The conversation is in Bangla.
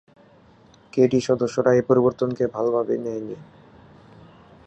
কেডিই সদস্যরা এ পরিবর্তনকে ভাল ভাবে নেয়নি।